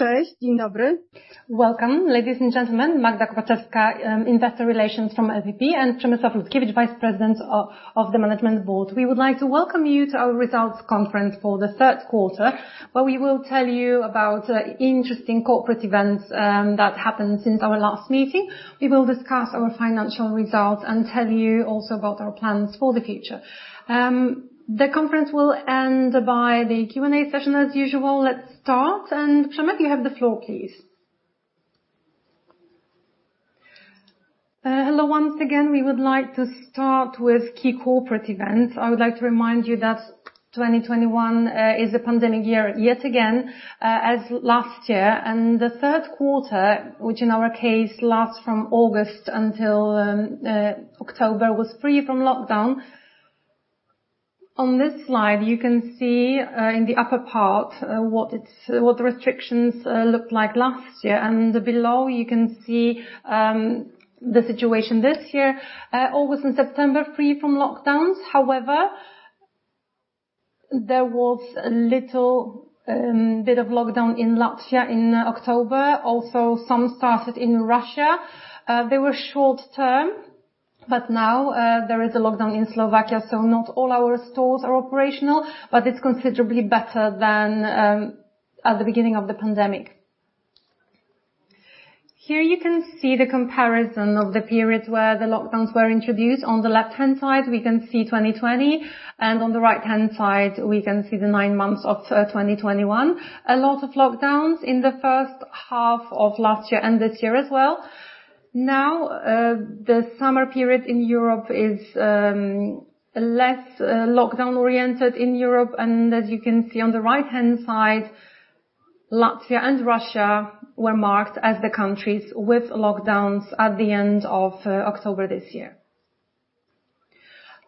{Non-English content}. Welcome, ladies and gentlemen. Magdalena Kopaczewska, investor relations from LPP and Przemysław Lutkiewicz, Vice President of the Management Board. We would like to welcome you to our results conference for the third quarter, where we will tell you about interesting corporate events that happened since our last meeting. We will discuss our financial results and tell you also about our plans for the future. The conference will end by the Q&A session as usual. Let's start. Przemek, you have the floor, please. Hello once again. We would like to start with key corporate events. I would like to remind you that 2021 is a pandemic year yet again, as last year. The third quarter, which in our case lasts from August until October, was free from lockdown. On this slide, you can see, in the upper part, what the restrictions looked like last year. Below, you can see the situation this year. August and September free from lockdowns. However, there was a little bit of lockdown in Latvia in October. Also, some started in Russia. They were short-term, but now there is a lockdown in Slovakia, so not all our stores are operational. But it's considerably better than at the beginning of the pandemic. Here you can see the comparison of the periods where the lockdowns were introduced. On the left-hand side, we can see 2020, and on the right-hand side, we can see the nine months of 2021. A lot of lockdowns in the first half of last year and this year as well. Now, the summer period in Europe is less lockdown-oriented in Europe. As you can see on the right-hand side, Latvia and Russia were marked as the countries with lockdowns at the end of October this year.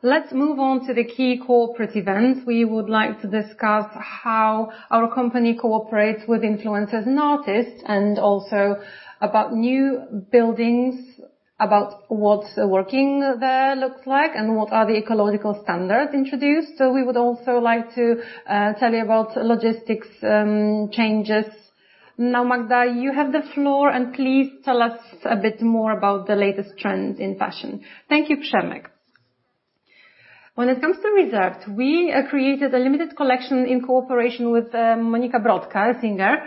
Let's move on to the key corporate events. We would like to discuss how our company cooperates with influencers and artists, and also about new buildings, about what working there looks like, and what are the ecological standards introduced. We would also like to tell you about logistics changes. Now, Magda, you have the floor, and please tell us a bit more about the latest trends in fashion. Thank you, Przemek. When it comes to Reserved, we created a limited collection in cooperation with Monika Brodka, a singer.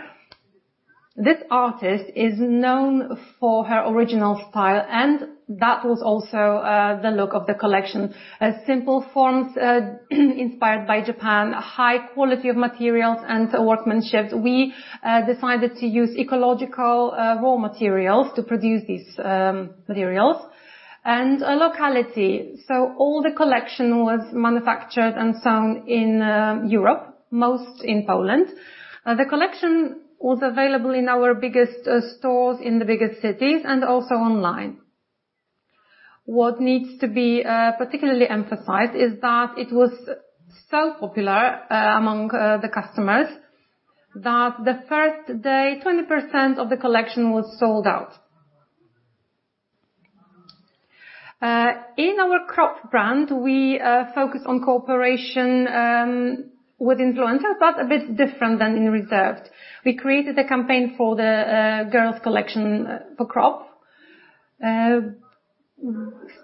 This artist is known for her original style, and that was also the look of the collection. Simple forms, inspired by Japan, a high quality of materials and workmanship. We decided to use ecological raw materials to produce these materials. And locality. So all the collection was manufactured and sewn in Europe, most in Poland. The collection was available in our biggest stores in the biggest cities and also online. What needs to be particularly emphasized is that it was so popular among the customers that the first day, 20% of the collection was sold out. In our Cropp brand, we focus on cooperation with influencers, but a bit different than in Reserved. We created a campaign for the girls collection for Cropp,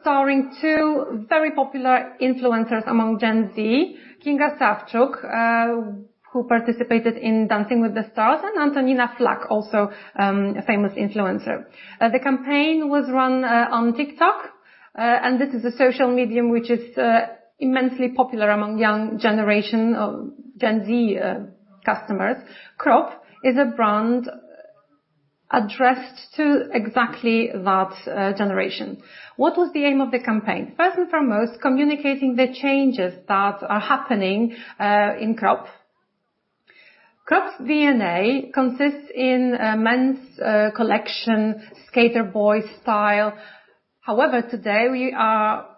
starring two very popular influencers among Gen Z, Kinga Sawczuk, who participated in Dancing with the Stars, and Antonina Flak, also a famous influencer. The campaign was run on TikTok, and this is a social medium which is immensely popular among young generation of Gen Z customers. Cropp is a brand addressed to exactly that generation. What was the aim of the campaign? First and foremost, communicating the changes that are happening in Cropp. Cropp's DNA consists in a men's collection, skater boy style. However, today we are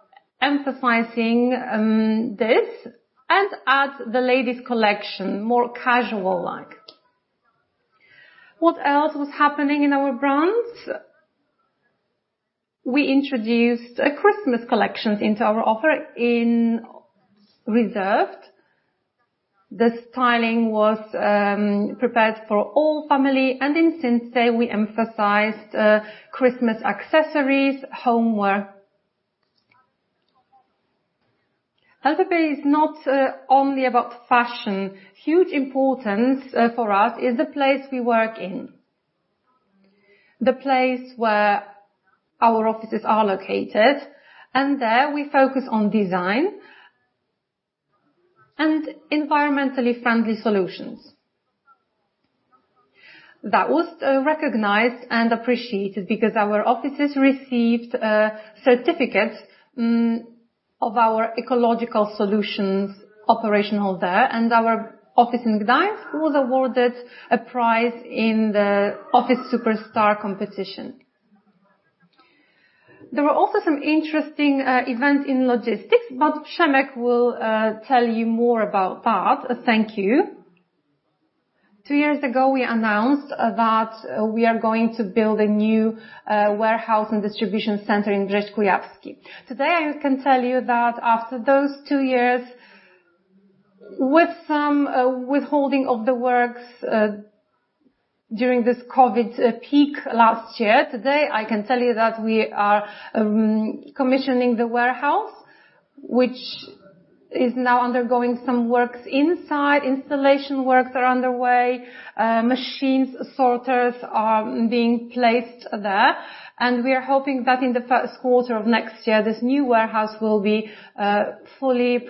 emphasizing this and add the ladies collection, more casual-like. What else was happening in our brands? We introduced a Christmas collection into our offer in Reserved. The styling was prepared for all family, and in Sinsay we emphasized Christmas accessories, homeware. LPP is not only about fashion. Huge importance for us is the place we work in, the place where our offices are located. There we focus on design and environmentally friendly solutions. That was recognized and appreciated because our offices received certificates of our ecological solutions operational there. Our office in Gdańsk was awarded a prize in the Office Superstar competition. There were also some interesting events in logistics, but Przemek will tell you more about that. Thank you. Two years ago we announced that we are going to build a new warehouse and distribution center in Gdańsk-Wrzeszcz. Today, I can tell you that after those two years with some withholding of the works during this COVID peak last year. Today, I can tell you that we are commissioning the warehouse, which is now undergoing some works inside. Installation works are underway. Machines, sorters are being placed there, and we are hoping that in the first quarter of next year, this new warehouse will be fully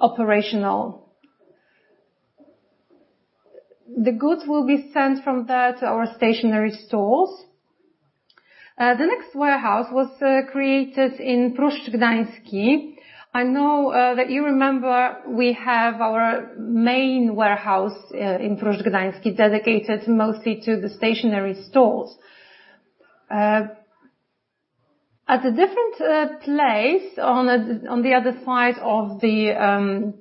operational. The goods will be sent from there to our stationary stores. The next warehouse was created in Pruszcz Gdański. I know that you remember we have our main warehouse in Pruszcz Gdański dedicated mostly to the stationary stores. At a different place on the other side of the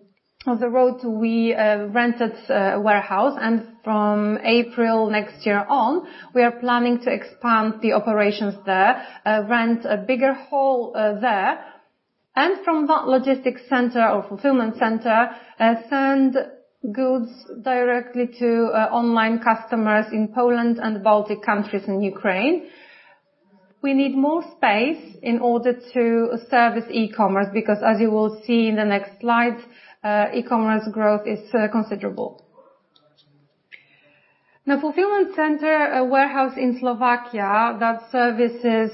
road, we rented a warehouse. From April next year on, we are planning to expand the operations there, rent a bigger hall there. From that logistics center or fulfillment center, we send goods directly to online customers in Poland and the Baltic countries in Ukraine. We need more space in order to service e-commerce, because as you will see in the next slides, e-commerce growth is considerable. Now, fulfillment center, a warehouse in Slovakia that services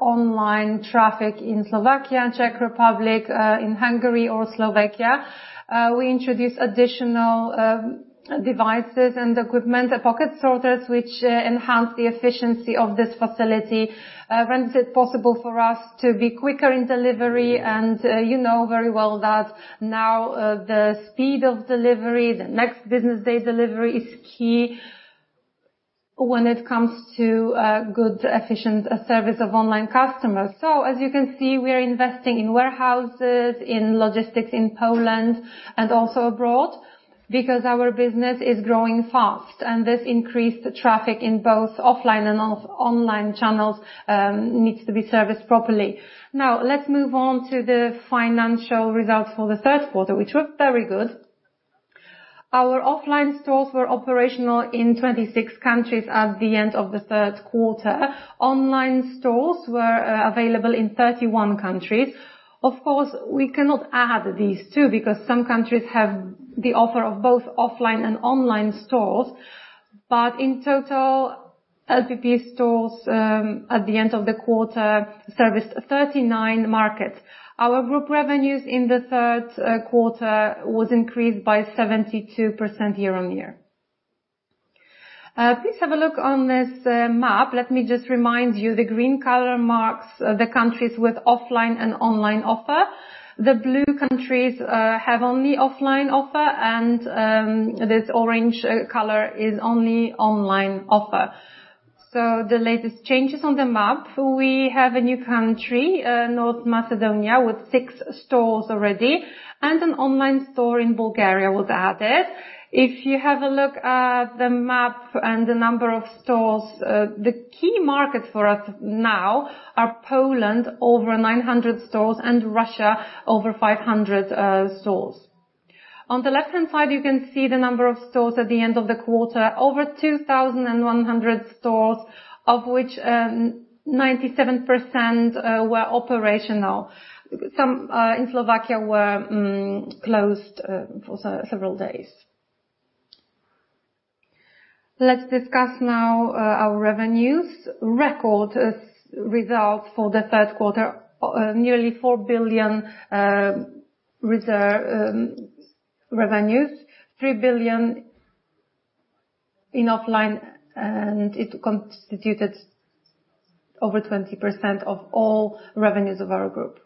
online traffic in Slovakia and Czech Republic, in Hungary or Slovakia. We introduced additional devices and equipment, pocket sorters, which enhance the efficiency of this facility. Renders it possible for us to be quicker in delivery. You know very well that now, the speed of delivery, the next business day delivery is key when it comes to good, efficient service of online customers. As you can see, we are investing in warehouses, in logistics in Poland and also abroad because our business is growing fast. This increased traffic in both offline and online channels needs to be serviced properly. Now, let's move on to the financial results for the third quarter, which were very good. Our offline stores were operational in 26 countries at the end of the third quarter. Online stores were available in 31 countries. Of course, we cannot add these two because some countries have the offer of both offline and online stores. In total, LPP stores at the end of the quarter serviced 39 markets. Our group revenues in the third quarter was increased by 72% year-on-year. Please have a look on this map. Let me just remind you, the green color marks the countries with offline and online offer. The blue countries have only offline offer, and this orange color is only online offer. The latest changes on the map, we have a new country, North Macedonia, with six stores already, and an online store in Bulgaria was added. If you have a look at the map and the number of stores, the key markets for us now are Poland, over 900 stores, and Russia, over 500 stores. On the left-hand side, you can see the number of stores at the end of the quarter, over 2,100 stores, of which 97% were operational. Some in Slovakia were closed for several days. Let's discuss now our revenues. Results for the third quarter, nearly 4 billion revenues. 3 billion in offline, and it constituted over 20% of all revenues of our group.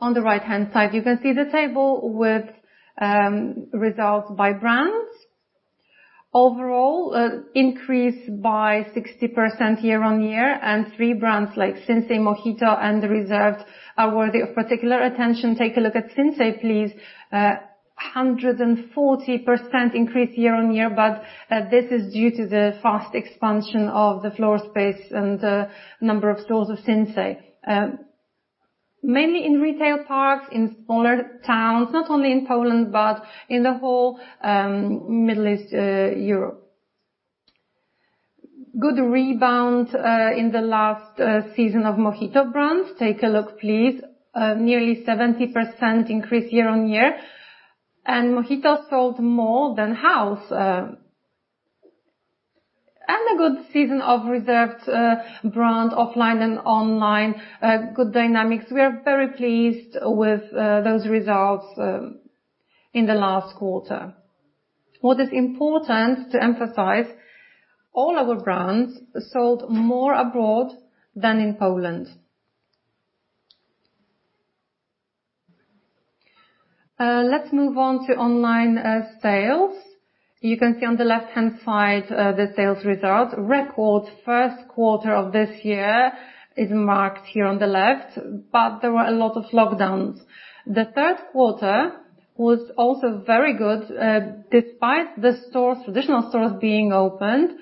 On the right-hand side, you can see the table with results by brands. Overall, increase by 60% year-on-year, and three brands like Sinsay, Mohito, and Reserved are worthy of particular attention. Take a look at Sinsay, please. 140% increase year-on-year, but this is due to the fast expansion of the floor space and number of stores of Sinsay. Mainly in retail parks, in smaller towns, not only in Poland, but in the whole Central and Eastern Europe. Good rebound in the last season of Mohito brands. Take a look, please. Nearly 70% increase year-on-year. Mohito sold more than House. Good season of Reserved brand, offline and online. Good dynamics. We are very pleased with those results in the last quarter. What is important to emphasize, all our brands sold more abroad than in Poland. Let's move on to online sales. You can see on the left-hand side the sales results. Record first quarter of this year is marked here on the left, but there were a lot of lockdowns. The third quarter was also very good despite the stores, traditional stores being opened.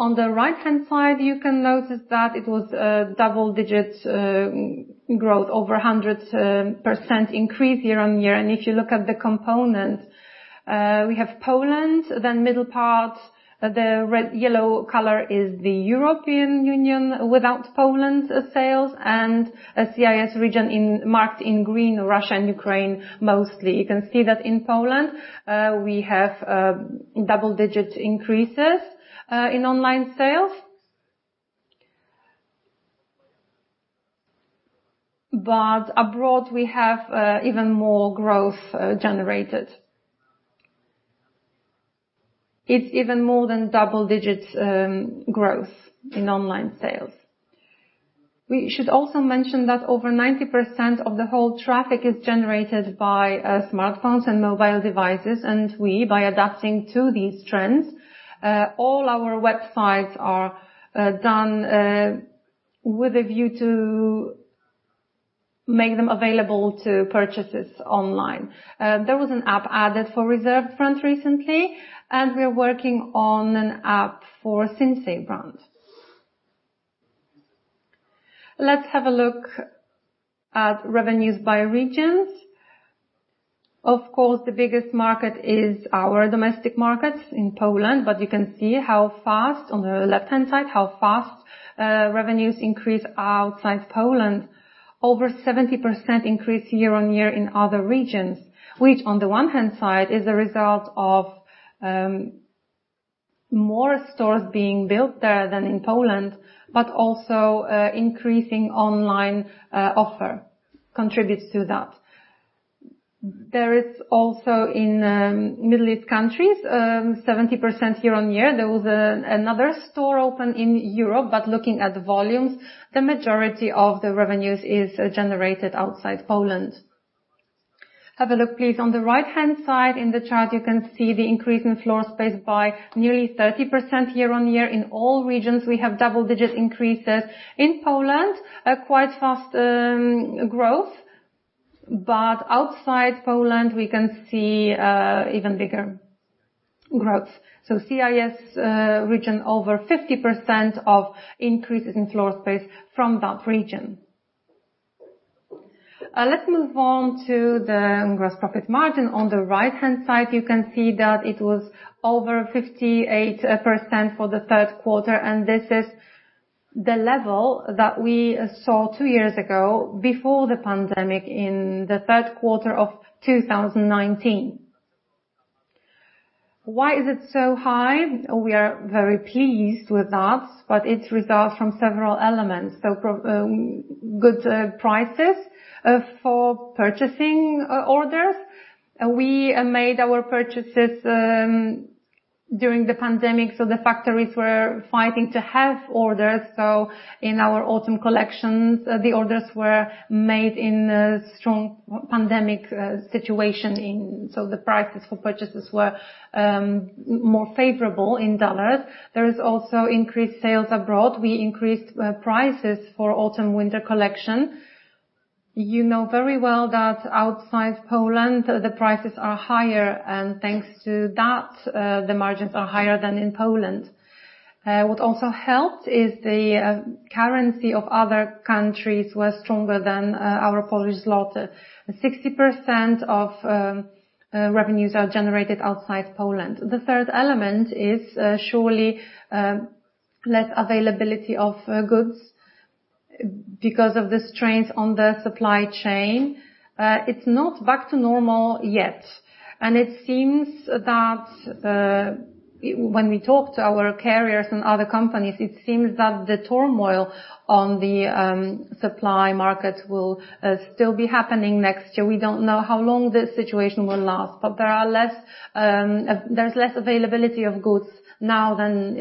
On the right-hand side, you can notice that it was double-digit growth over 100% increase year-over-year. If you look at the component, we have Poland, then middle part, the red-yellow color is the European Union without Poland's sales and, CIS region marked in green, Russia and Ukraine mostly. You can see that in Poland, we have double-digit increases in online sales. Abroad, we have even more growth generated. It's even more than double digits, growth in online sales. We should also mention that over 90% of the whole traffic is generated by smartphones and mobile devices, and we, by adapting to these trends, all our websites are done with a view to make them available to purchases online. There was an app added for Reserved recently, and we are working on an app for Sinsay brand. Let's have a look at revenues by regions. Of course, the biggest market is our domestic markets in Poland, but you can see how fast on the left-hand side revenues increase outside Poland. Over 70% increase year-on-year in other regions, which on the one hand side is a result of more stores being built there than in Poland, but also increasing online offer contributes to that. There is also in Middle East countries 70% year-on-year. There was another store open in Europe, but looking at the volumes, the majority of the revenues is generated outside Poland. Have a look, please. On the right-hand side in the chart, you can see the increase in floor space by nearly 30% year-on-year. In all regions, we have double-digit increases. In Poland, a quite fast growth, but outside Poland, we can see even bigger growth. CIS region over 50% increases in floor space from that region. Let's move on to the gross profit margin. On the right-hand side, you can see that it was over 58% for the third quarter, and this is the level that we saw two years ago before the pandemic in the third quarter of 2019. Why is it so high? We are very pleased with that, but it results from several elements. Good prices for purchasing orders. We made our purchases during the pandemic, the factories were fighting to have orders. In our autumn collections, the orders were made in a strong pandemic situation, so the prices for purchases were more favorable in dollars. There is also increased sales abroad. We increased prices for autumn/winter collection. You know very well that outside Poland, the prices are higher, and thanks to that, the margins are higher than in Poland. What also helped is the currency of other countries was stronger than our Polish zloty. 60% of revenues are generated outside Poland. The third element is surely less availability of goods because of the strains on the supply chain. It's not back to normal yet. It seems that when we talk to our carriers and other companies, it seems that the turmoil on the supply market will still be happening next year. We don't know how long this situation will last, but there's less availability of goods now than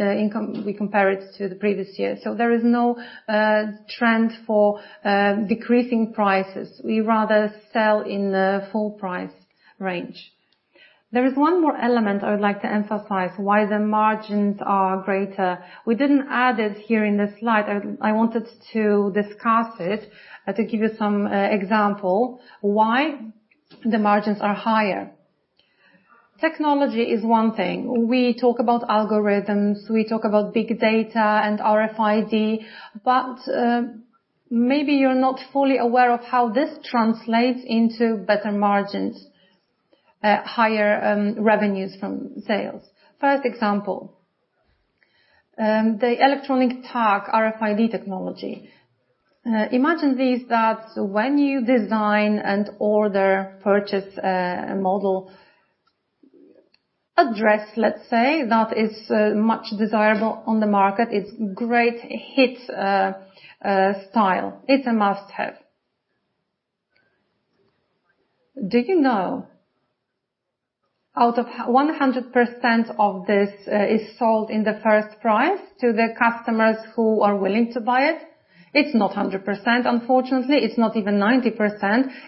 we compare it to the previous year. There is no trend for decreasing prices. We rather sell in the full price range. There is one more element I would like to emphasize why the margins are greater. We didn't add it here in this slide. I wanted to discuss it to give you some example why the margins are higher. Technology is one thing. We talk about algorithms, we talk about big data and RFID, but maybe you're not fully aware of how this translates into better margins, higher revenues from sales. First example, the electronic tag RFID technology. Imagine this, that when you design and order, purchase a model, a dress, let's say, that is much desirable on the market, it's great hit, style. It's a must-have. Do you know out of one hundred percent of this is sold in the first price to the customers who are willing to buy it? It's not 100%, unfortunately. It's not even 90%.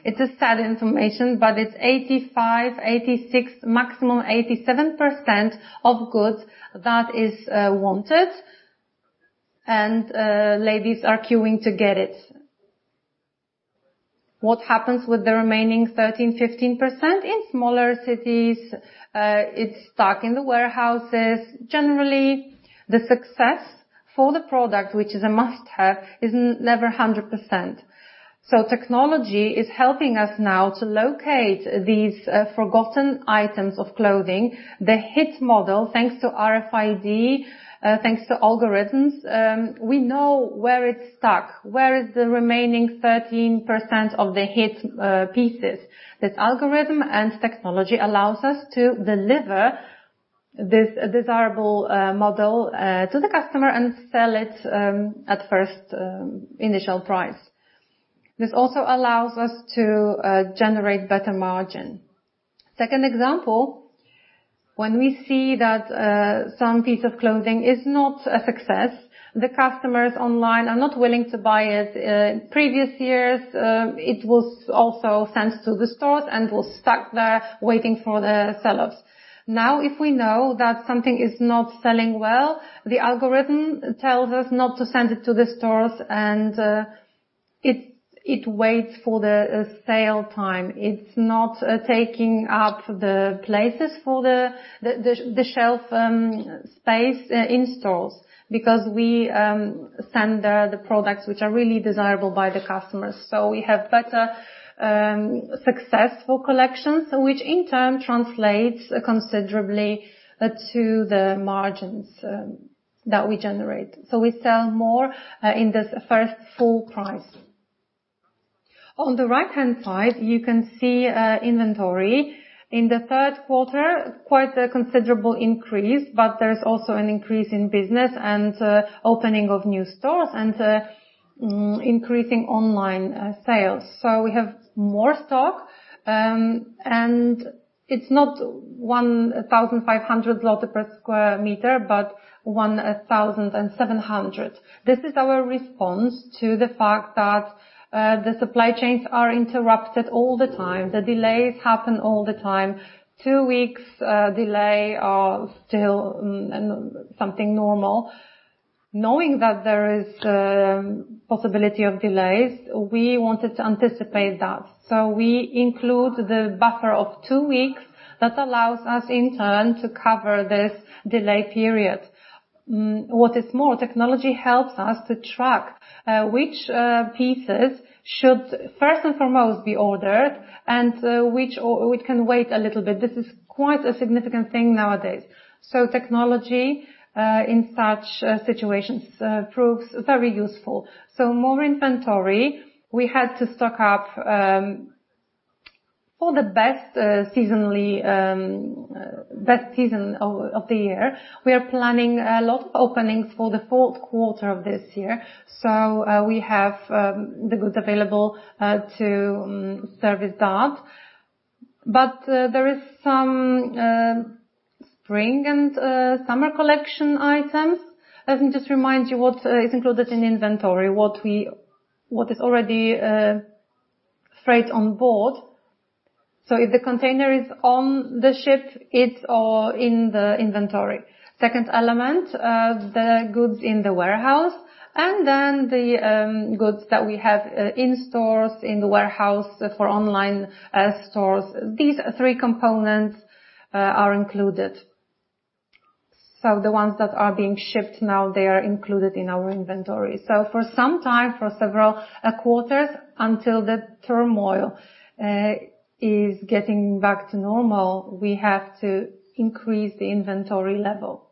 It's a sad information, but it's 85, 86, maximum 87% of goods that is wanted and ladies are queuing to get it. What happens with the remaining 13, 15%? In smaller cities, it's stuck in the warehouses. Generally, the success for the product, which is a must-have, is never 100%. Technology is helping us now to locate these forgotten items of clothing. The hit model, thanks to RFID, thanks to algorithms, we know where it's stuck, where is the remaining 13% of the hit pieces. This algorithm and technology allows us to deliver this desirable model to the customer and sell it at first initial price. This also allows us to generate better margin. Second example, when we see that some piece of clothing is not a success, the customers online are not willing to buy it. In previous years, it was also sent to the stores and was stuck there waiting for the sell-offs. Now, if we know that something is not selling well, the algorithm tells us not to send it to the stores, and it waits for the sale time. It's not taking up the places for the shelf space in stores because we send the products which are really desirable by the customers. We have better successful collections, which in turn translates considerably to the margins that we generate. We sell more in this first full price. On the right-hand side, you can see inventory. In the third quarter, quite a considerable increase, but there's also an increase in business and opening of new stores and increasing online sales. We have more stock, and it's not 1,500 PLN per sq m, but 1,700 PLN. This is our response to the fact that the supply chains are interrupted all the time. The delays happen all the time. Two weeks delay are still something normal. Knowing that there is possibility of delays, we wanted to anticipate that. We include the buffer of two weeks that allows us in turn to cover this delay period. What is more, technology helps us to track which pieces should first and foremost be ordered and which it can wait a little bit. This is quite a significant thing nowadays. Technology in such situations proves very useful. More inventory, we had to stock up for the best seasonally best season of the year. We are planning a lot of openings for the fourth quarter of this year. We have the goods available to service that. There is some spring and summer collection items. Let me just remind you what is included in inventory, what is already freight on board. If the container is on the ship, it's all in the inventory. Second element, the goods in the warehouse, and then the goods that we have in stores, in the warehouse for online stores. These three components are included. The ones that are being shipped now, they are included in our inventory. For some time, for several quarters, until the turmoil is getting back to normal, we have to increase the inventory level.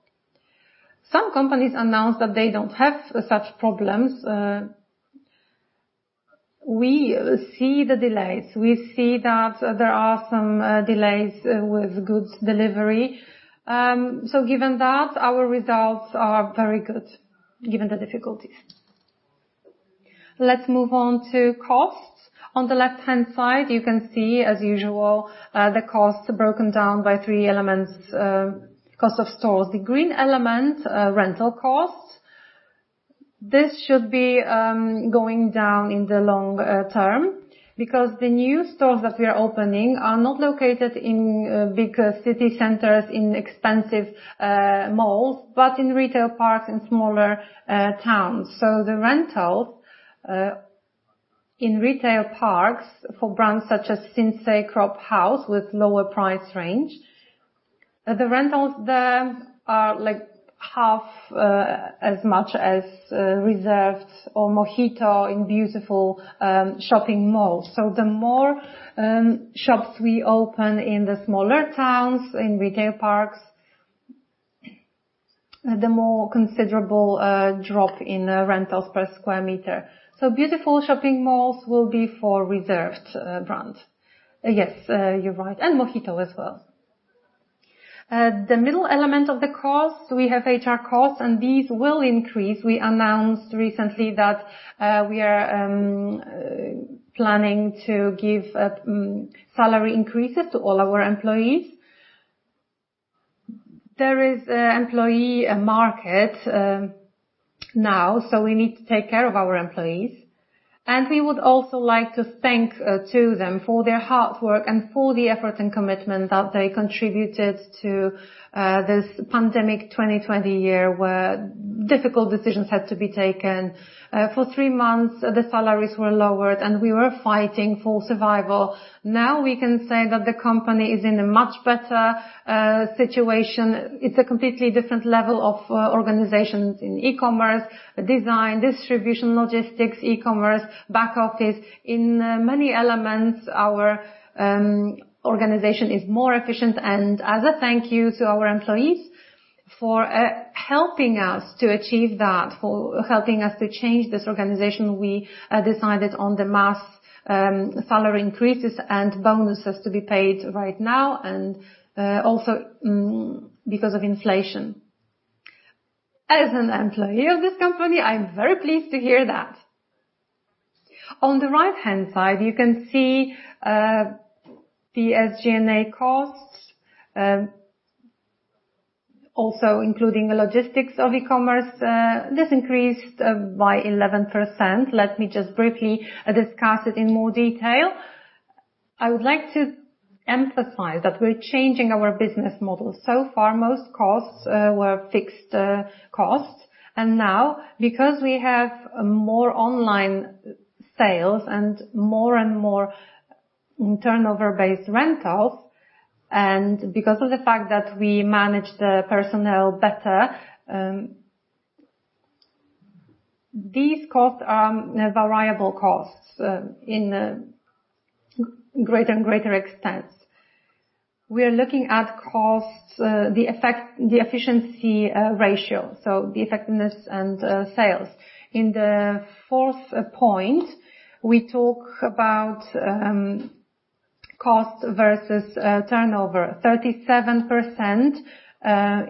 Some companies announce that they don't have such problems. We see the delays. We see that there are some delays with goods delivery. Given that, our results are very good, given the difficulties. Let's move on to costs. On the left-hand side, you can see, as usual, the costs broken down by three elements. Cost of stores. The green element, rental costs. This should be going down in the long term because the new stores that we are opening are not located in big city centers, in expensive malls, but in retail parks in smaller towns. The rentals in retail parks for brands such as Sinsay, Cropp with lower price range, the rentals there are, like, half as much as Reserved or Mohito in beautiful shopping malls. The more shops we open in the smaller towns, in retail parks, the more considerable drop in rentals per square meter. Beautiful shopping malls will be for Reserved brand. Yes, you're right, and Mohito as well. The middle element of the cost, we have HR costs, and these will increase. We announced recently that we are planning to give salary increases to all our employees. There is an employee market now, so we need to take care of our employees. We would also like to thank to them for their hard work and for the effort and commitment that they contributed to this pandemic 2020 year, where difficult decisions had to be taken. For three months, the salaries were lowered and we were fighting for survival. Now we can say that the company is in a much better situation. It's a completely different level of organizations in e-commerce, design, distribution, logistics, e-commerce, back office. In many elements, our organization is more efficient. As a thank you to our employees for helping us to achieve that, for helping us to change this organization, we decided on the mass salary increases and bonuses to be paid right now, and also because of inflation. As an employee of this company, I'm very pleased to hear that. On the right-hand side, you can see the SG&A costs, also including the logistics of e-commerce. This increased by 11%. Let me just briefly discuss it in more detail. I would like to emphasize that we're changing our business model. So far, most costs were fixed costs. Now, because we have more online sales and more and more turnover-based rentals, and because of the fact that we manage the personnel better, these costs are variable costs in a greater and greater extent. We are looking at costs, the efficiency ratio, so the effectiveness and sales. In the fourth point, we talk about cost versus turnover. 37%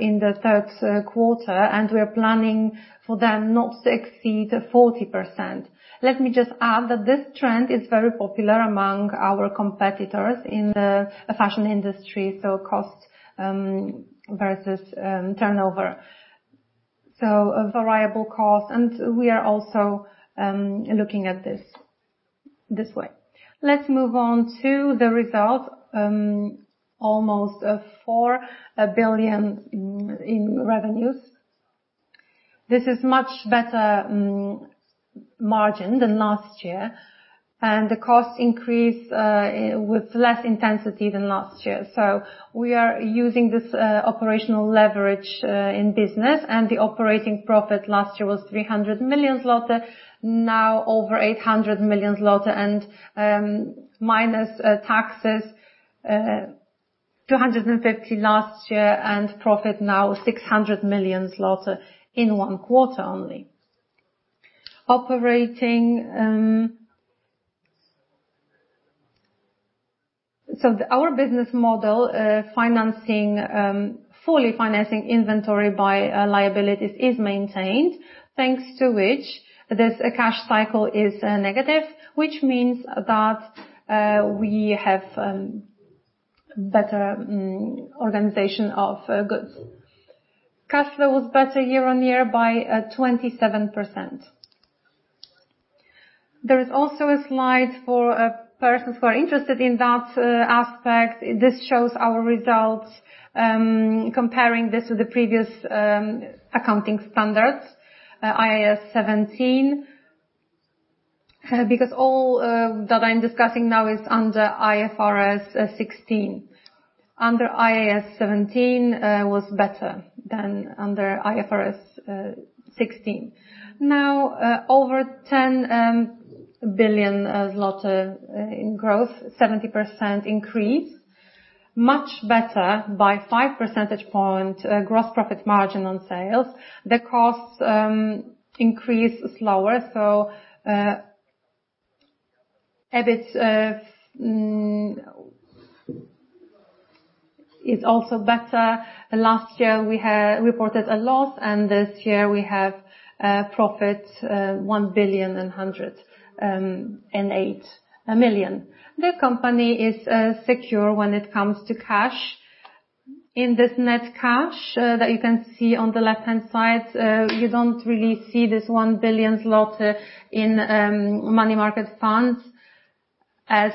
in the third quarter, and we are planning for them not to exceed 40%. Let me just add that this trend is very popular among our competitors in the fashion industry, so cost versus turnover. So a variable cost, and we are also looking at this way. Let's move on to the result. Almost 4 billion in revenues. This is much better margin than last year, and the cost increase with less intensity than last year. We are using this operational leverage in business, and the operating profit last year was 300 million zloty, now over 800 million zloty and minus taxes 250 million last year and profit now 600 million zloty in one quarter only. Our business model fully financing inventory by liabilities is maintained. Thanks to which, this cash cycle is negative, which means that we have better organization of goods. Cash flow was better year-on-year by 27%. There is also a slide for persons who are interested in that aspect. This shows our results comparing this with the previous accounting standards, IAS 17. Because all that I'm discussing now is under IFRS 16. Under IAS 17 was better than under IFRS 16. Now, over 10 billion in growth, 70% increase. Much better by 5 percentage points, gross profit margin on sales. The costs increase slower. EBIT is also better. Last year, we had reported a loss, and this year we have profit, 1.108 billion. The company is secure when it comes to cash. In this net cash that you can see on the left-hand side, you don't really see this 1 billion zloty in money market funds as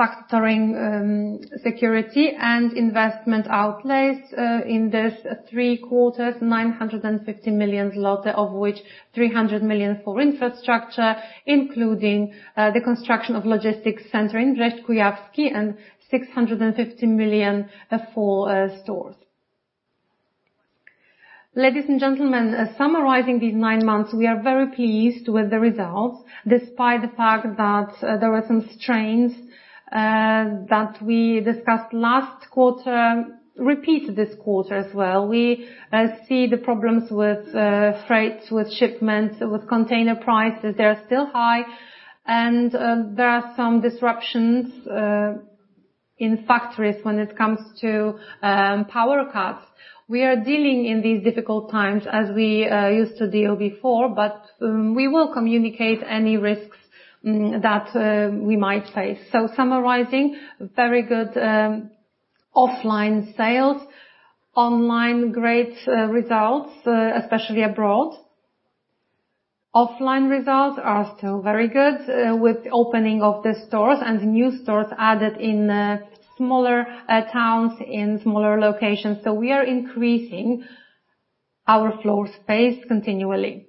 factoring security and investment outlays in this three quarters, 950 million zloty, of which 300 million for infrastructure, including the construction of logistics center in Brześć Kujawski, and 650 million for stores. Ladies and gentlemen, summarizing these nine months, we are very pleased with the results, despite the fact that there were some strains that we discussed last quarter, repeated this quarter as well. We see the problems with freights, with shipments, with container prices. They're still high, and there are some disruptions in factories when it comes to power cuts. We are dealing in these difficult times as we used to deal before, but we will communicate any risks that we might face. Summarizing, very good offline sales. Online, great results, especially abroad. Offline results are still very good, with opening of the stores and new stores added in smaller towns, in smaller locations. We are increasing our floor space continually.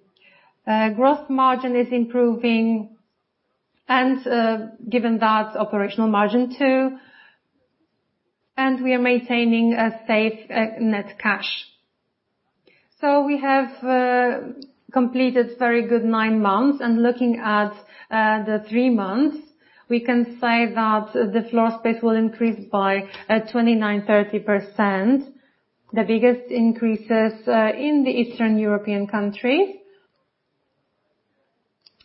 Growth margin is improving and, given that, operational margin too, and we are maintaining a safe net cash. We have completed very good nine months. Looking at the three months, we can say that the floor space will increase by 29-30%. The biggest increases in the Eastern European countries.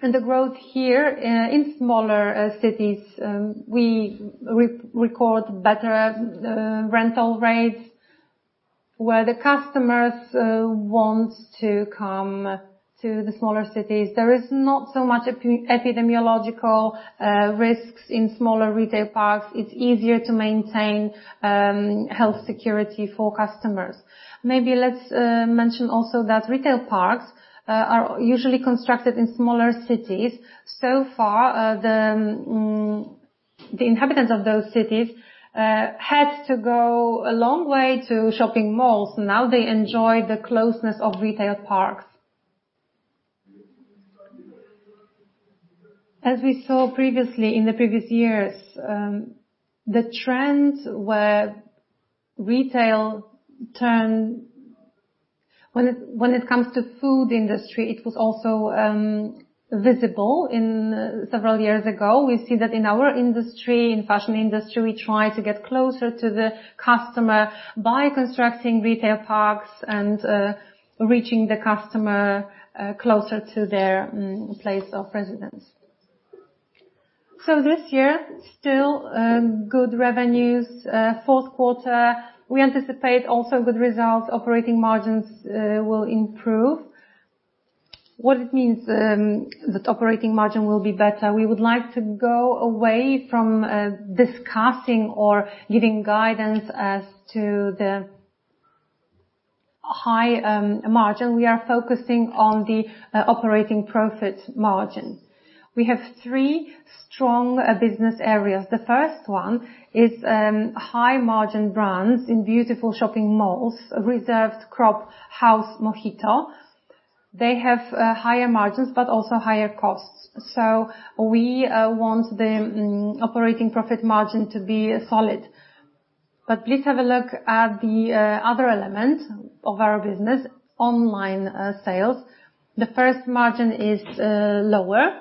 The growth here in smaller cities we record better rental rates where the customers want to come to the smaller cities. There is not so much epidemiological risks in smaller retail parks. It's easier to maintain health security for customers. Maybe let's mention also that retail parks are usually constructed in smaller cities. So far the inhabitants of those cities had to go a long way to shopping malls. Now they enjoy the closeness of retail parks. As we saw previously in the previous years the trends where retail turn. When it comes to food industry it was also visible in several years ago. We see that in our industry, in fashion industry, we try to get closer to the customer by constructing retail parks and reaching the customer closer to their place of residence. This year, still, good revenues. Fourth quarter, we anticipate also good results. Operating margins will improve. What it means, that operating margin will be better? We would like to go away from discussing or giving guidance as to the high margin. We are focusing on the operating profit margin. We have three strong business areas. The first one is high-margin brands in beautiful shopping malls, Reserved, Cropp, House, Mohito. They have higher margins but also higher costs. We want the operating profit margin to be solid. Please have a look at the other element of our business, online sales. The first margin is lower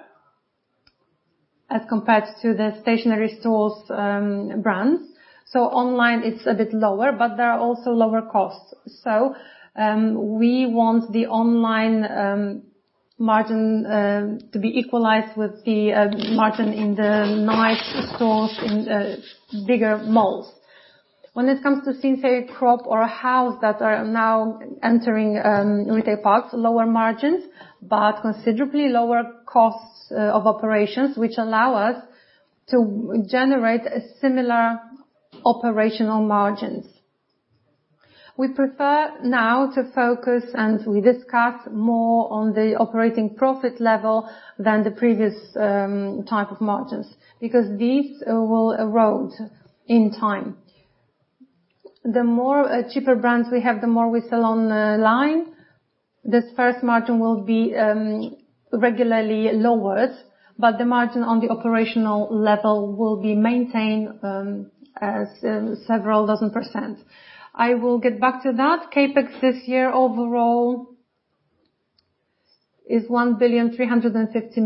as compared to the stationary stores, brands. Online it's a bit lower, but there are also lower costs. We want the online margin to be equalized with the margin in the nice stores in bigger malls. When it comes to Sinsay, Cropp or House that are now entering retail parks, lower margins, but considerably lower costs of operations, which allow us to generate a similar operational margins. We prefer now to focus and we discuss more on the operating profit level than the previous type of margins, because these will erode in time. The more cheaper brands we have, the more we sell online. This first margin will be regularly lowered, but the margin on the operational level will be maintained as several dozen%. I will get back to that. CapEx this year overall is 1.35 billion. 350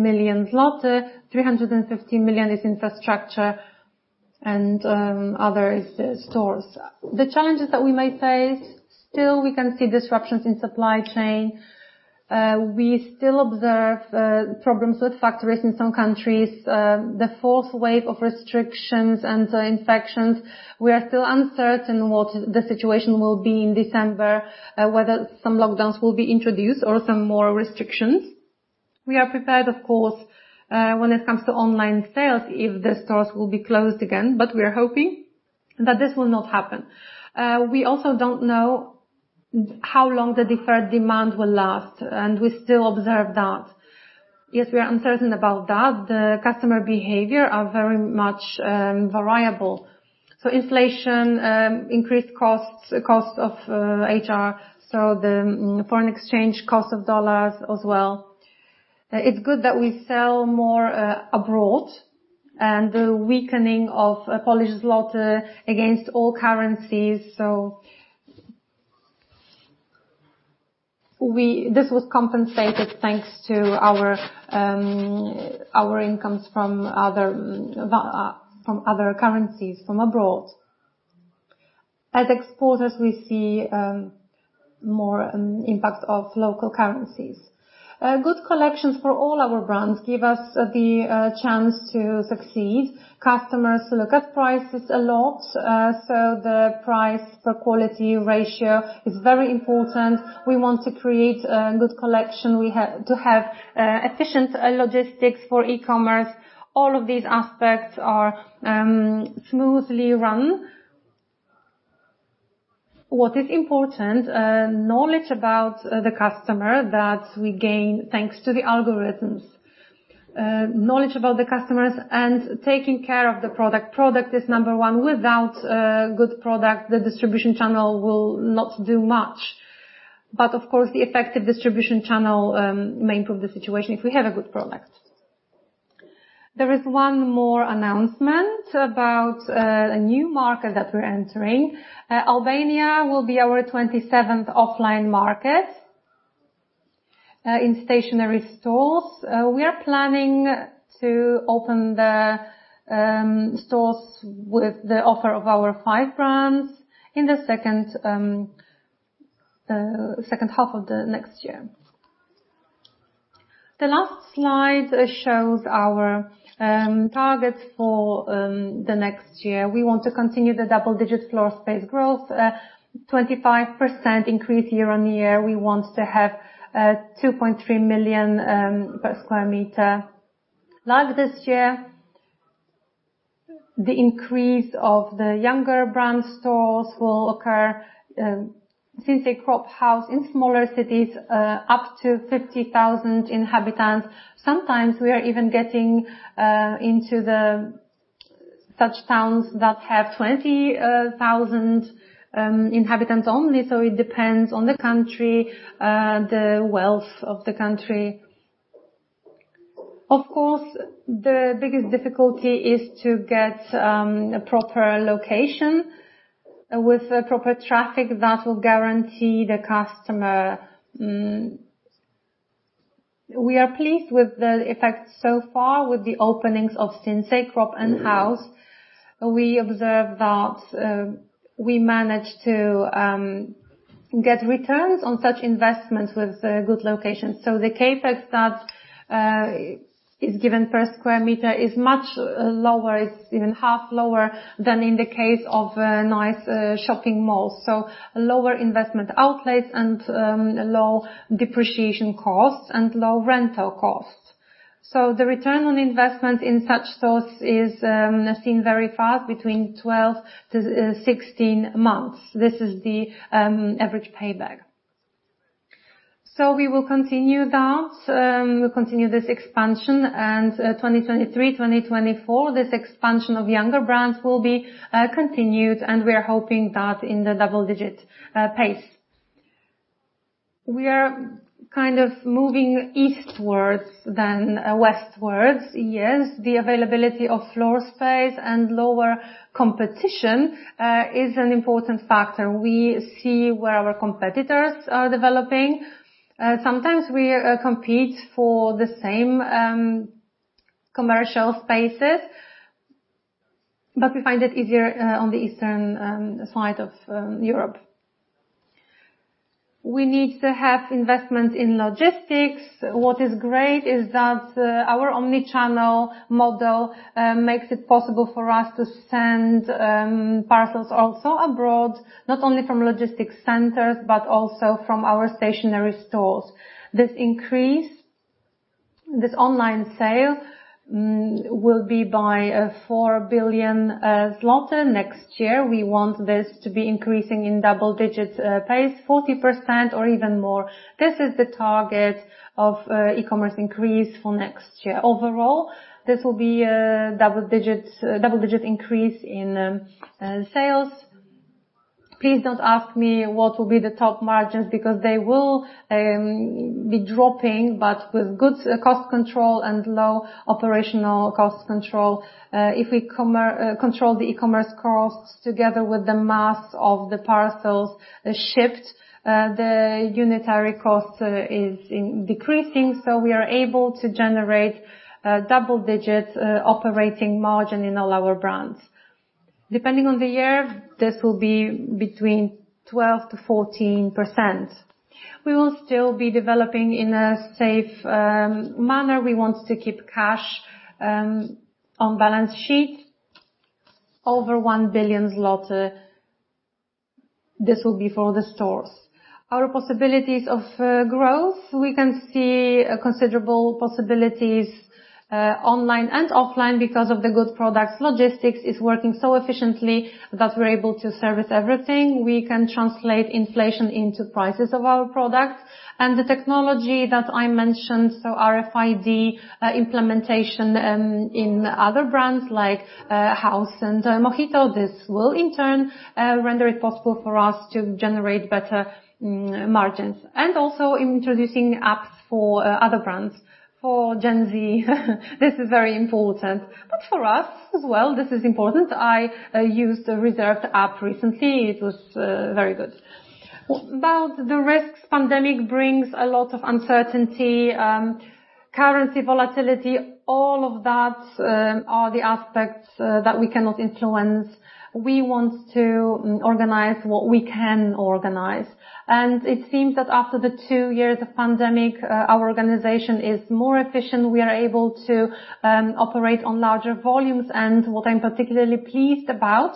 million is infrastructure and other is the stores. The challenges that we may face, still we can see disruptions in supply chain. We still observe problems with factories in some countries. The fourth wave of restrictions and infections, we are still uncertain what the situation will be in December, whether some lockdowns will be introduced or some more restrictions. We are prepared, of course, when it comes to online sales, if the stores will be closed again, but we are hoping that this will not happen. We also don't know how long the deferred demand will last, and we still observe that. Yes, we are uncertain about that. The customer behavior are very much variable. Inflation increased costs, cost of HR, so the foreign exchange cost of dollars as well. It's good that we sell more abroad and the weakening of Polish złoty against all currencies. This was compensated thanks to our incomes from other currencies from abroad. As exporters, we see more impact of local currencies. Good collections for all our brands give us the chance to succeed. Customers look at prices a lot. The price per quality ratio is very important. We want to create a good collection. We have to have efficient logistics for e-commerce. All of these aspects are smoothly run. What is important, knowledge about the customer that we gain thanks to the algorithms. Knowledge about the customers and taking care of the product. Product is number one. Without a good product, the distribution channel will not do much. Of course, the effective distribution channel may improve the situation if we have a good product. There is one more announcement about a new market that we're entering. Albania will be our 27th offline market in stationary stores. We are planning to open the stores with the offer of our five brands in the second half of next year. The last slide shows our targets for the next year. We want to continue the double-digit floor space growth, 25% increase year-on-year. We want to have 2.3 million per sq m. Like this year, the increase of the younger brand stores will occur, such as Cropp, House in smaller cities up to 50,000 inhabitants. Sometimes we are even getting into such towns that have 20,000 inhabitants only. It depends on the country, the wealth of the country. Of course, the biggest difficulty is to get a proper location with a proper traffic that will guarantee the customer. We are pleased with the effects so far with the openings of Sinsay, Cropp, and House. We observe that we managed to get returns on such investments with good locations. The CapEx that is given per square meter is much lower. It's even half lower than in the case of nice shopping malls. Lower investment outlays and low depreciation costs and low rental costs. The return on investment in such stores is seen very fast between 12-16 months. This is the average payback. We will continue that, we'll continue this expansion. In 2023 and 2024, this expansion of younger brands will be continued, and we are hoping that in the double-digit pace. We are kind of moving eastwards rather than westwards. Yes, the availability of floor space and lower competition is an important factor. We see where our competitors are developing. Sometimes we compete for the same commercial spaces, but we find it easier on the eastern side of Europe. We need to have investment in logistics. What is great is that our omnichannel model makes it possible for us to send parcels also abroad, not only from logistics centers, but also from our stationary stores. Online sales will increase by 4 billion next year. We want this to be increasing in double-digit pace, 40% or even more. This is the target of e-commerce increase for next year. Overall, this will be a double-digit increase in sales. Please don't ask me what will be the top margins because they will be dropping, but with good cost control and low operational cost control. If we control the e-commerce costs together with the mass of the parcels shift, the unit cost is decreasing, so we are able to generate a double-digit operating margin in all our brands. Depending on the year, this will be between 12%-14%. We will still be developing in a safe manner. We want to keep cash on balance sheet over 1 billion zloty. This will be for the stores. Our possibilities of growth, we can see considerable possibilities online and offline because of the good products. Logistics is working so efficiently that we're able to service everything. We can translate inflation into prices of our products. The technology that I mentioned, so RFID implementation in other brands like House and Mohito, this will in turn render it possible for us to generate better margins. Also introducing apps for other brands. For Gen Z this is very important. For us as well, this is important. I used the Reserved app recently. It was very good. About the risks, pandemic brings a lot of uncertainty, currency volatility, all of that are the aspects that we cannot influence. We want to organize what we can organize. It seems that after the two years of pandemic, our organization is more efficient. We are able to operate on larger volumes. What I'm particularly pleased about,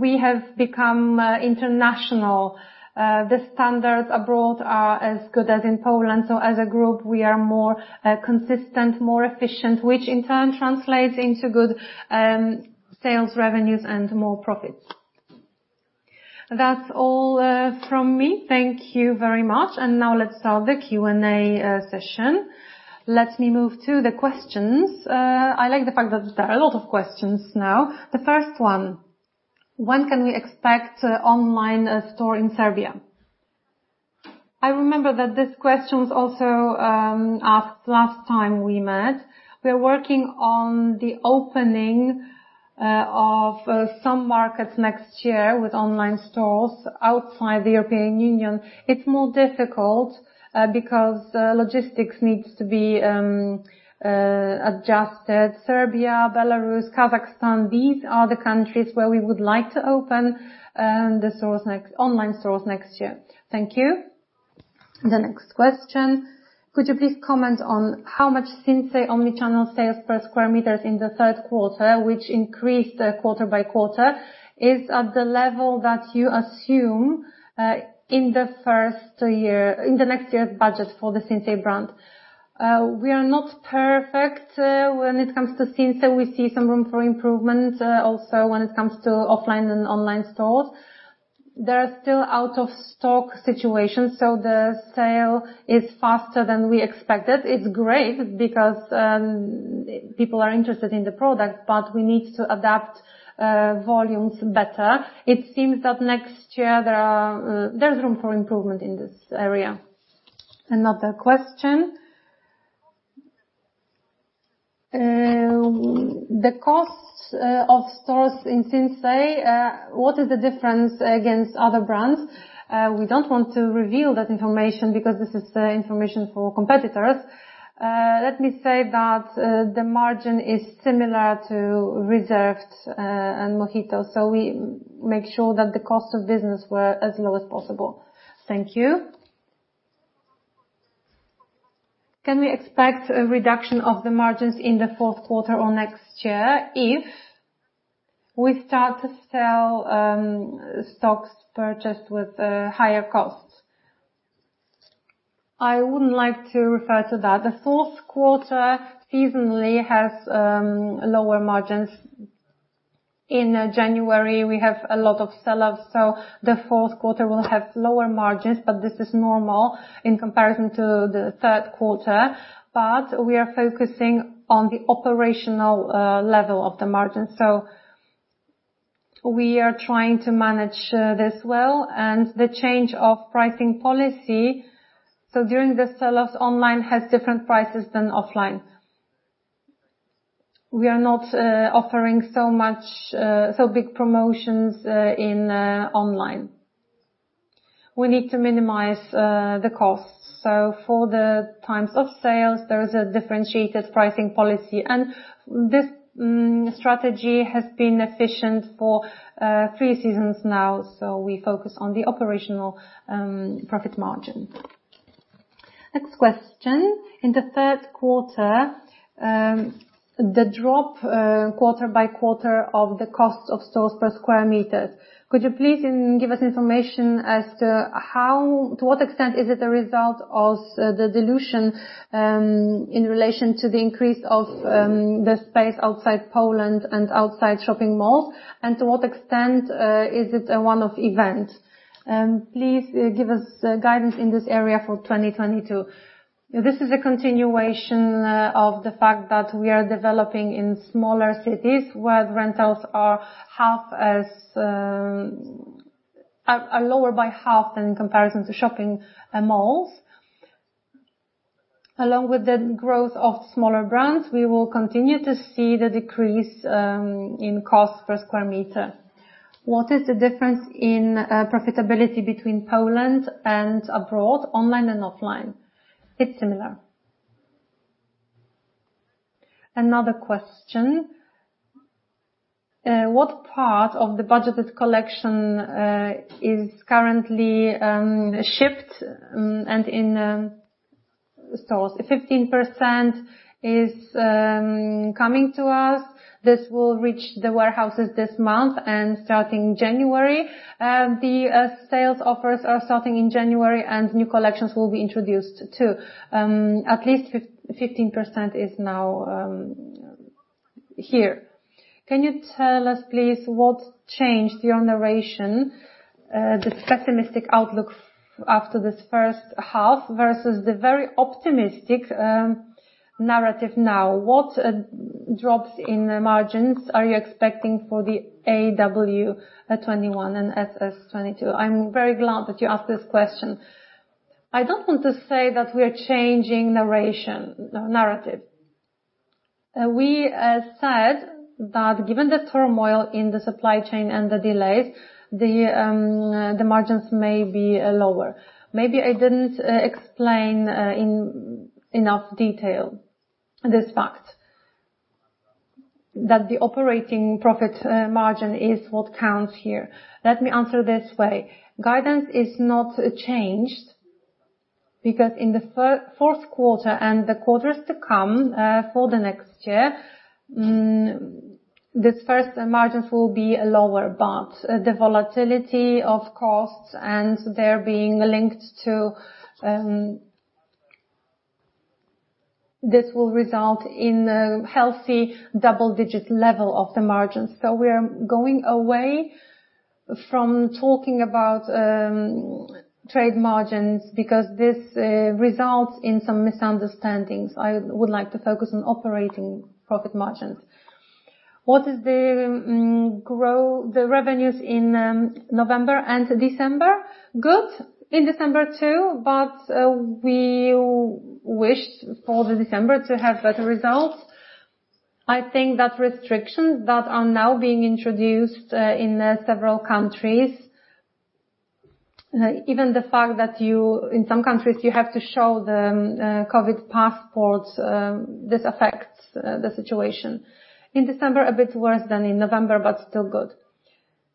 we have become international. The standards abroad are as good as in Poland. As a group, we are more consistent, more efficient, which in turn translates into good sales revenues and more profits. That's all from me. Thank you very much. Now let's start the Q&A session. Let me move to the questions. I like the fact that there are a lot of questions now. The first one: When can we expect online store in Serbia? I remember that this question was also asked last time we met. We're working on the opening of some markets next year with online stores outside the European Union. It's more difficult because logistics needs to be adjusted. Serbia, Belarus, Kazakhstan, these are the countries where we would like to open online stores next year. Thank you. The next question: Could you please comment on how much Sinsay omnichannel sales per square meters in the third quarter, which increased quarter by quarter, is at the level that you assume in the next year's budget for the Sinsay brand? We are not perfect. When it comes to Sinsay, we see some room for improvement also when it comes to offline and online stores. There are still out of stock situations, so the sale is faster than we expected. It's great because people are interested in the product, but we need to adapt volumes better. It seems that next year there's room for improvement in this area. Another question. The costs of stores in Sinsay, what is the difference against other brands? We don't want to reveal that information because this is information for competitors. Let me say that the margin is similar to Reserved and Mohito, so we make sure that the cost of business were as low as possible. Thank you. Can we expect a reduction of the margins in the fourth quarter or next year if we start to sell stocks purchased with higher costs? I wouldn't like to refer to that. The fourth quarter seasonally has lower margins. In January, we have a lot of selloffs, so the fourth quarter will have lower margins, but this is normal in comparison to the third quarter. We are focusing on the operational level of the margin, so we are trying to manage this well. The change of pricing policy, so during the selloffs, online has different prices than offline. We are not offering so much so big promotions in online. We need to minimize the costs. For the times of sales, there is a differentiated pricing policy. This strategy has been efficient for three seasons now, so we focus on the operational profit margin. Next question. In the third quarter, the drop quarter by quarter of the cost of stores per sq m, could you please give us information as to how to what extent is it a result of the dilution in relation to the increase of the space outside Poland and outside shopping malls, and to what extent is it a one-off event? Please give us guidance in this area for 2022. This is a continuation of the fact that we are developing in smaller cities where the rentals are half as are lower by half in comparison to shopping malls. Along with the growth of smaller brands, we will continue to see the decrease in cost per sq m. What is the difference in profitability between Poland and abroad, online and offline? It's similar. Another question. What part of the budgeted collection is currently shipped and in stores? 15% is coming to us. This will reach the warehouses this month and starting January. The sales offers are starting in January, and new collections will be introduced too. At least 15% is now here. Can you tell us, please, what changed your narration, the pessimistic outlook after this first half versus the very optimistic narrative now? What drops in the margins are you expecting for the AW 2021 and SS 2022? I'm very glad that you asked this question. I don't want to say that we are changing narrative. We said that given the turmoil in the supply chain and the delays, the margins may be lower. Maybe I didn't explain in enough detail this fact that the operating profit margin is what counts here. Let me answer this way. Guidance is not changed because in the fourth quarter and the quarters to come for the next year, these gross margins will be lower. The volatility of costs and their being linked to. This will result in a healthy double-digit level of the margins. We're going away from talking about trade margins because this results in some misunderstandings. I would like to focus on operating profit margins. What is the revenues in November and December? Good in December too, but we wished for December to have better results. I think that restrictions that are now being introduced in several countries even the fact that you. In some countries you have to show the COVID passports. This affects the situation. In December, a bit worse than in November, but still good.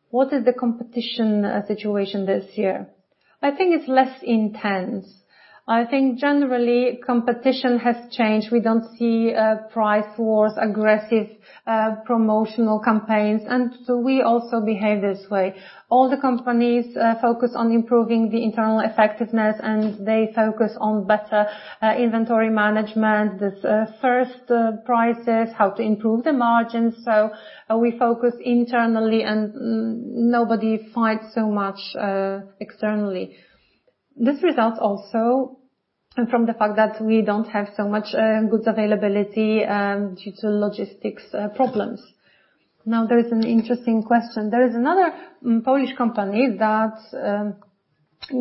What is the competition situation this year? I think it's less intense. I think generally competition has changed. We don't see price wars, aggressive promotional campaigns, and so we also behave this way. All the companies focus on improving the internal effectiveness, and they focus on better inventory management. The first price is how to improve the margins. We focus internally and nobody fights so much externally. This results also from the fact that we don't have so much goods availability due to logistics problems. Now, there is an interesting question. There is another Polish company that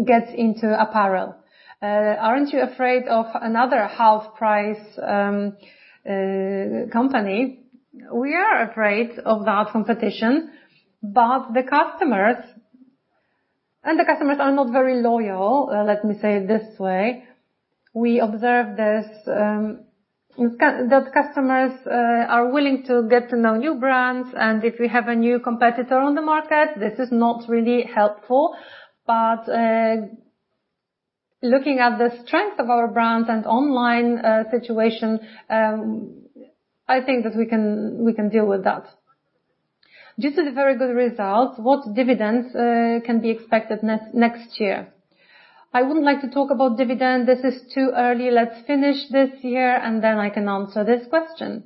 gets into apparel. Aren't you afraid of another HalfPrice company? We are afraid of that competition, but the customers are not very loyal, let me say it this way. We observe this, that customers are willing to get to know new brands, and if we have a new competitor on the market, this is not really helpful. Looking at the strength of our brand and online situation, I think that we can deal with that. Due to the very good results, what dividends can be expected next year? I wouldn't like to talk about dividend. This is too early. Let's finish this year, and then I can answer this question.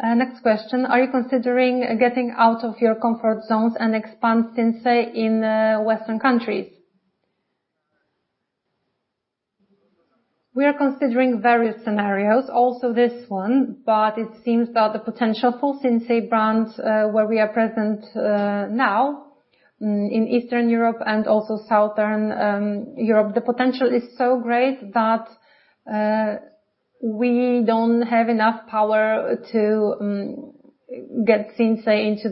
Next question: Are you considering getting out of your comfort zones and expand Sinsay in Western countries? We are considering various scenarios, also this one, but it seems that the potential for Sinsay brands, where we are present now in Eastern Europe and also Southern Europe, the potential is so great that we don't have enough power to get Sinsay into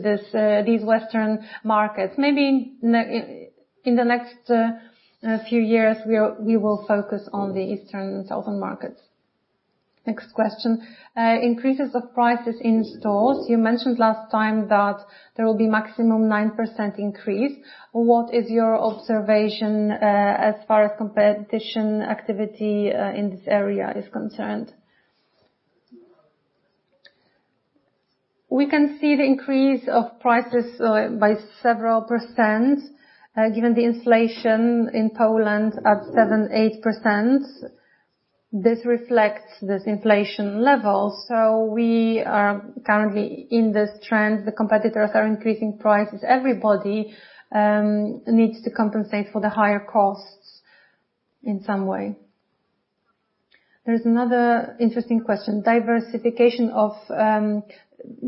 these Western markets. Maybe in the next few years, we will focus on the Eastern and Southern markets. Next question. Increases of prices in stores. You mentioned last time that there will be maximum 9% increase. What is your observation as far as competition activity in this area is concerned? We can see the increase of prices by several percent given the inflation in Poland of 7%-8%. This reflects this inflation level. We are currently in this trend. The competitors are increasing prices. Everybody needs to compensate for the higher costs in some way. There's another interesting question.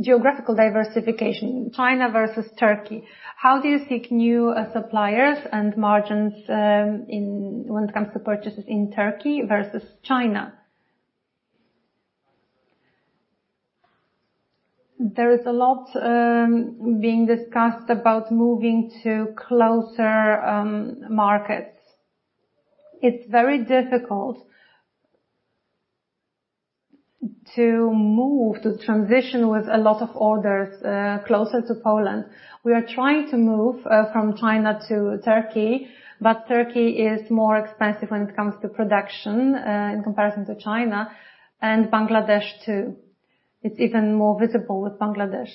Geographical diversification, China versus Turkey. How do you seek new suppliers and margins when it comes to purchases in Turkey versus China? There is a lot being discussed about moving to closer markets. It's very difficult to move to transition with a lot of orders closer to Poland. We are trying to move from China to Turkey, but Turkey is more expensive when it comes to production in comparison to China and Bangladesh too. It's even more visible with Bangladesh.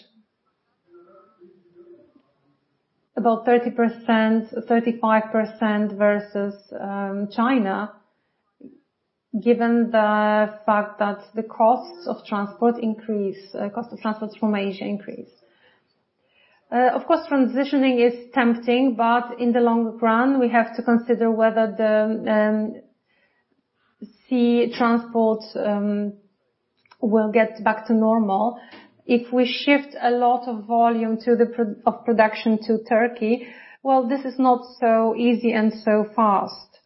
About 30%, 35% versus China, given the fact that the costs of transport from Asia increase. Of course, transitioning is tempting, but in the long run, we have to consider whether the sea transport will get back to normal. If we shift a lot of volume of production to Turkey, well, this is not so easy and so fast.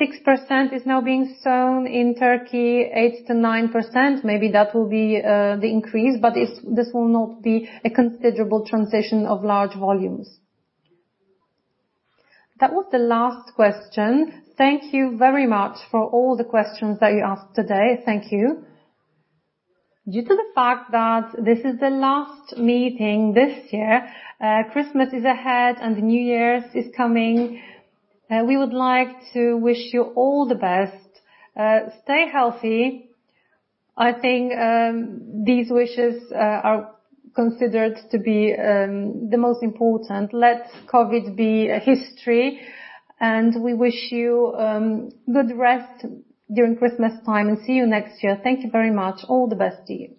6% is now being sewn in Turkey, 8%-9%. Maybe that will be the increase, but this will not be a considerable transition of large volumes. That was the last question. Thank you very much for all the questions that you asked today. Thank you. Due to the fact that this is the last meeting this year, Christmas is ahead and the New Year is coming, we would like to wish you all the best. Stay healthy. I think these wishes are considered to be the most important. Let COVID be a history, and we wish you good rest during Christmas time, and see you next year. Thank you very much. All the best to you.